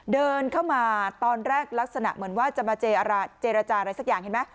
เดินเข้ามาตอนแรกลักษณะเหมือนว่าจะมาเจรจาอะไรสักอย่างเห็นไหม